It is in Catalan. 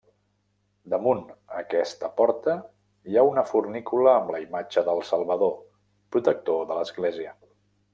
Damunt aquesta porta hi ha una fornícula amb la imatge del Salvador, protector de l'església.